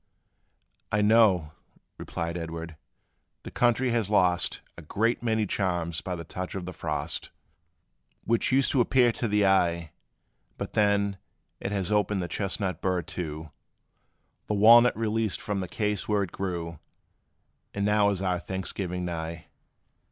"I know," replied Edward, "the country has lost A great many charms by the touch of the frost, Which used to appear to the eye; But then, it has opened the chestnut burr too, The walnut released from the case where it grew; And now is our Thanksgiving nigh!